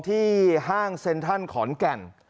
ห้างเซ็นทรัลขอนแก่น